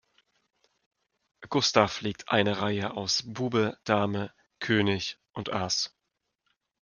Gustav legt eine Reihe aus Bube, Dame König und Ass.